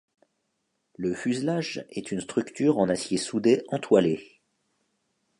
Le fuselage est une structure en acier soudé entoilé.